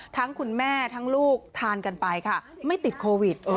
คุณแม่ทั้งลูกทานกันไปค่ะไม่ติดโควิด